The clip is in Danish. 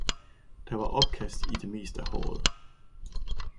Der var opkast i det meste af håret.